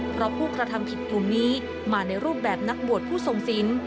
เพราะผู้กระทำผิดกลุ่มนี้มาในรูปแบบนักบวชผู้ทรงศิลป์